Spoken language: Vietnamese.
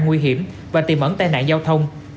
nguy hiểm và tìm ẩn tai nạn giao thông